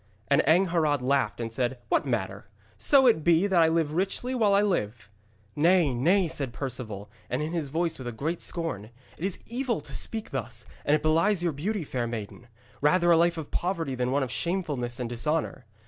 And Angharad laughed and said: 'What matter, so it be that I live richly while I live!' 'Nay, nay,' said Perceval, and in his voice was a great scorn, 'it is evil to speak thus, and it belies your beauty, fair maiden. Rather a life of poverty than one of shamefulness and dishonour.